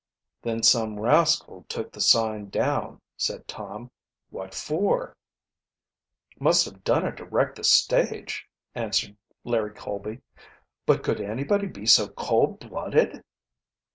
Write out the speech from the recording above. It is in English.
"Then some rascal took the sign down," said Tom. "What for?" "Must have done it to wreck the stage," answered Larry Colby. "But could anybody be so cold blooded?"